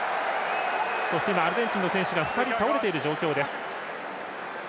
そして、アルゼンチンの選手が２人、倒れている状況です。